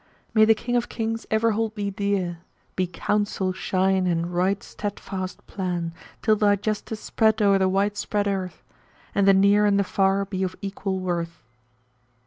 May the King of Kings ever hold thee dear; * Be counsel thine and right steadfast plan, Till thy justice spread o'er the wide spread earth * And the near and the far be of equal worth."